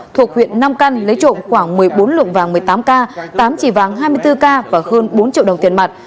thuộc huyện nam căn lấy trộm khoảng một mươi bốn lượng vàng một mươi tám k tám chỉ vàng hai mươi bốn k và hơn bốn triệu đồng tiền mặt